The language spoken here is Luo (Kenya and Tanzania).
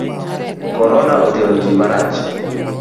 Korona otero ji marach.